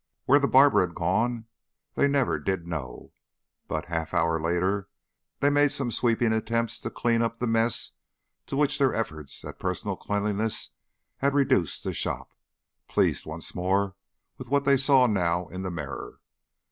Where the barber had gone they never did know, but a half hour later they made some sweeping attempts to clean up the mess to which their efforts at personal cleanliness had reduced the shop, pleased once more with what they saw now in the mirror.